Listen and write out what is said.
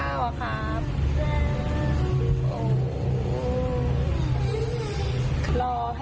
อุ๊ยค่าะ